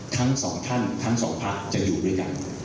ทั้ง๒ท่านทั้ง๒ภาคจะอยู่ด้วยกัน